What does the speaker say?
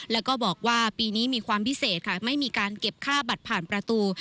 แล้วก็บอกว่าปีนี้มีความพิเศษค่ะไม่มีการเก็บค่าบัตรผ่านประตู